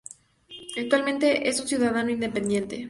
Actualmente es un ciudadano independiente.